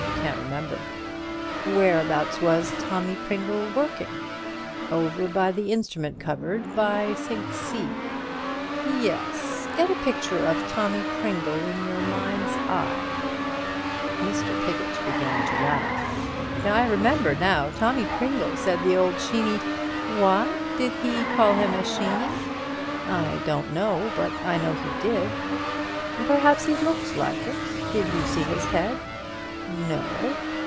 "Can't remember." "Whereabouts was Tommy Pringle working?" "Over by the instrument cupboard—by sink C." "Yes. Get a picture of Tommy Pringle in your mind's eye." Piggott began to laugh. "I remember now. Tommy Pringle said the old Sheeny—" "Why did he call him a Sheeny?" "I don't know. But I know he did." "Perhaps he looked like it. Did you see his head?" "No."